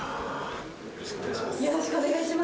よろしくお願いします。